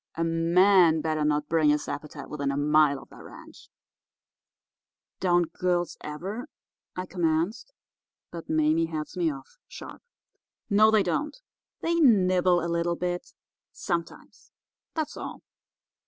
A man better not bring his appetite within a mile of that ranch.' "'Don't girls ever—' I commenced, but Mame heads me off, sharp. "'No, they don't. They nibble a little bit sometimes; that's all.